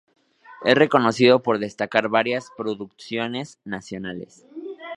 Es reconocido por destacar varias producciones nacionales.